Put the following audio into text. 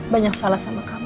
banyak salah sama kamu